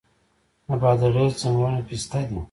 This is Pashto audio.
د بادغیس ځنګلونه پسته دي